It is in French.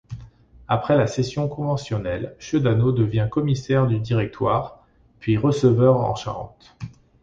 Après la session conventionnelle, Chedaneau devient commissaire du Directoire, puis receveur en Charente.